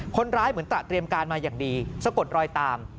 เหมือนตระเตรียมการมาอย่างดีสะกดรอยตาม